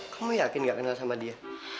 kamu yakin gak kenal sama dia